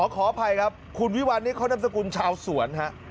ขออภัยครับคุณวิวัลนี่เขานำสกุลชาวสวนฮะ